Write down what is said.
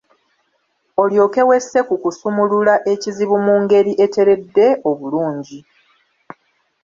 Olyoke wesse ku kusumulula ekizibu mu ngeri eteredde obulungi.